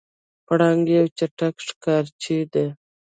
پړانګ یو چټک ښکارچی دی.